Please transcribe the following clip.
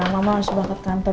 mama harus balik ke kantor